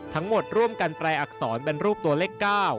ร่วมกันแปลอักษรเป็นรูปตัวเลข๙